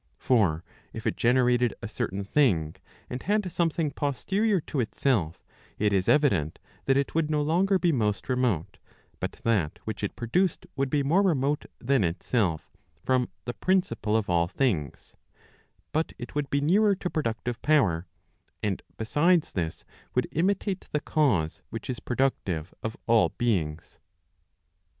321 For if it generated a certain thing, and had something posterior to itself, it is evident that it would no longer be most remote, but that which it produced would be more remote than itself, from the principle of all things, but it would be nearer to productive power, and besides^ this, would imitate the cause which is productive of all beings.